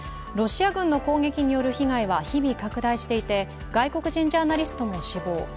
ロシア軍の攻撃による被害は日々、拡大していて外国人ジャーナリストも死亡。